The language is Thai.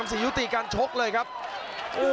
โอ้โหโอ้โหโอ้โหโอ้โหโอ้โหโอ้โหโอ้โหโอ้โหโอ้โห